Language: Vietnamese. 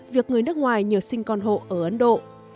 việc người nước ngoài nhờ sinh con hộ ở ấn độ